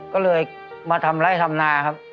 ก็เลยมาทำไร่ทำนาครับ